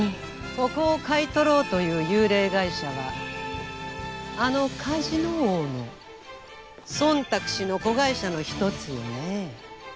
ここを買い取ろうという幽霊会社があのカジノ王のソンタク氏の子会社の一つよねぇ。